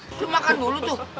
itu makan dulu tuh